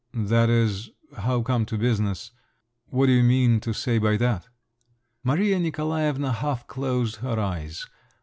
"That is … how come to business? What do you mean to say by that?" Maria Nikolaevna half closed her eyes.